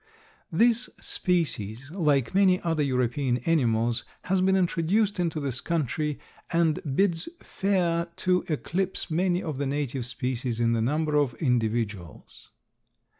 This species, like many other European animals, has been introduced into this country and bids fair to eclipse many of the native species in the number of individuals.